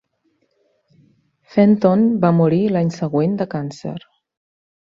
Fenton va morir l'any següent de càncer.